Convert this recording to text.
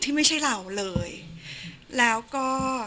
ไม่ใช่เราเลยแล้วก็